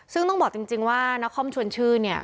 ซึ่งต้องบอกจริงว่านครชวนชื่นเนี่ย